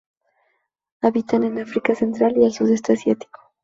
Habitan en África central y el Sudeste asiático.